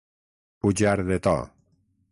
Pujar de to.